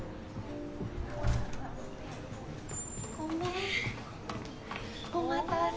ごめんお待たせ。